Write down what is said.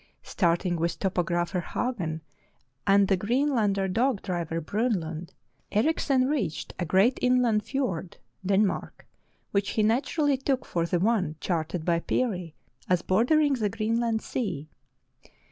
Starting with Topographer Hagen and the Greenlander dog driver, Bronlund, Erichsen reached a great inland fiord (Den mark), which he naturally took for the one charted by Peary as bordering the Greenland Sea.